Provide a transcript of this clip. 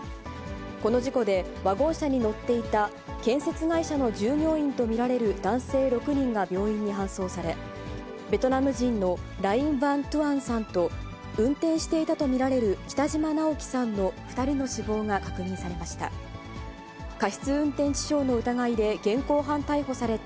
この事故で、ワゴン車に乗っていた建設会社の従業員と見られる男性６人が病院に搬送され、ベトナム人のライン・ヴァン・トゥアンさんと、運転していたと見られる北島尚輝さんの２人の死亡が確認されました。